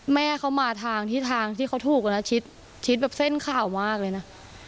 แม่เขามาทางที่ทางที่เขาถูกนะชิดชิดแบบเส้นข่าวมากเลยนะ